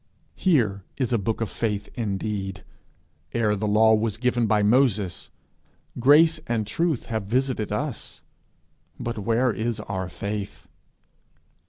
Here is a book of faith indeed, ere the law was given by Moses: Grace and Truth have visited us but where is our faith?